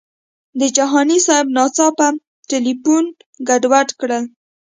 د جهاني صاحب ناڅاپه تیلفون ګډوډ کړل.